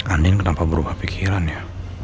andin kenapa berubah pikiran ya